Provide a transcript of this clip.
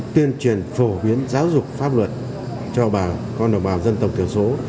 tuyên truyền phổ biến giáo dục pháp luật cho con đồng bào dân tộc tiểu số